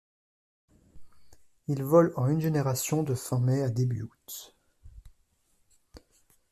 Il vole en une génération de fin mai à début août.